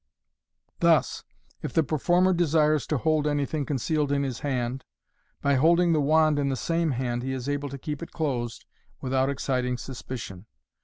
Thus, if the performer desires to hold any thing concealed in his hand, by holding the wand in the same hand he is able to keep it closed without exciting suspicion.